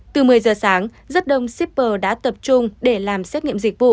từ một mươi giờ sáng rất đông shipper đã tập trung để làm xét nghiệm dịch vụ